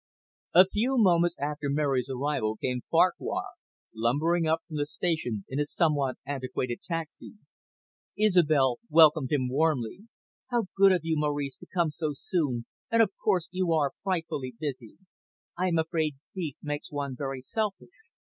A few moments after Mary's arrival came Farquhar, lumbering up from the station in a somewhat antiquated taxi. Isobel welcomed him warmly. "How good of you, Maurice, to come so soon, and of course you are frightfully busy. I am afraid grief makes one very selfish."